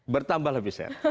bertambah lebih sehat